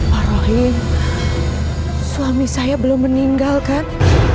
pak rohim suami saya belum meninggal kan